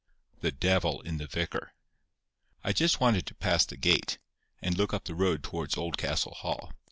THE DEVIL IN THE VICAR. I wanted just to pass the gate, and look up the road towards Oldcastle Hall.